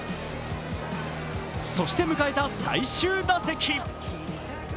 そして迎えた最終打席。